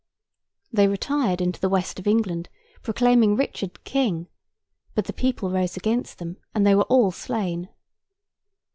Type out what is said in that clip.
They retired into the west of England, proclaiming Richard King; but, the people rose against them, and they were all slain.